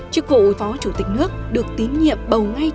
chức vụ phó chủ tịch nước được tín nhiệm bầu ngay